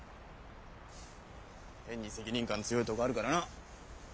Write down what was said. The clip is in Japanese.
変に責任感強いところあるからな。